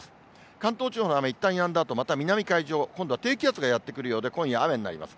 関東地方の雨、いったんやんだあと、今度は南海上、今度は低気圧がやって来るようで、今夜、雨になります。